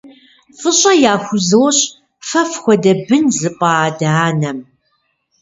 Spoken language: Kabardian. ФӀыщӀэ яхузощӏ фэ фхуэдэ бын зыпӏа адэ-анэм!